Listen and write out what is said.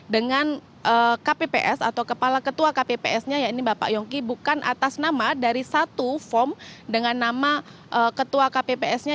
dengan kpps atau kepala ketua kpps nya ya ini bapak yongki bukan atas nama dari satu form dengan nama ketua kpps nya